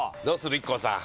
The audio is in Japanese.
ＩＫＫＯさん。